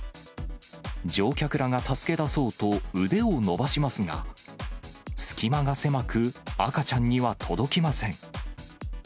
乗客らが助け出そうと腕を伸ばしますが、隙間が狭く、赤ちゃんには届きません。